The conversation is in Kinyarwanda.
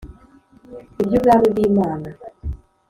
Iby’ubwami bw’Imana.